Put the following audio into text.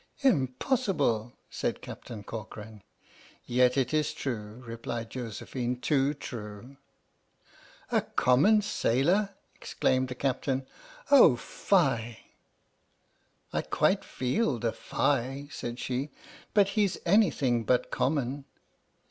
"Impossible!" said Captain Corcoran. "Yet it is true," replied Josephine, "too true!" "A common sailor!" exclaimed the Captain, "oh, fie!" " I quite feel the ' fie,' " said she, '.'but he 's any thing but common."